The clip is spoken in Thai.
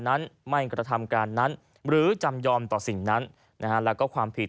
นั้นไม่กระทำการนั้นหรือจำยอมต่อสิ่งนั้นแล้วก็ความผิด